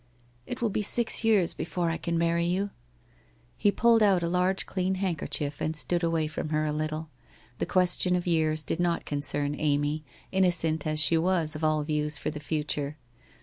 ' It will be six years before I can marry you.' He pulled out a large clean handkerchief and stood away from her a little. The question of years did not concern Amy, innocent as she was of all views for the future.